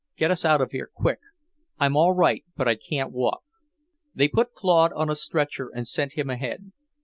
Get us out of here quick. I'm all right, but I can't walk." They put Claude on a stretcher and sent him ahead.